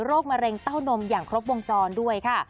มะเร็งเต้านมอย่างครบวงจรด้วยค่ะ